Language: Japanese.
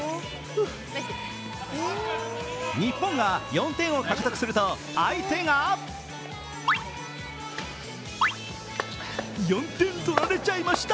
日本が４点を獲得すると、相手が４点取られちゃいました。